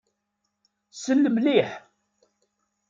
Sel mliḥ.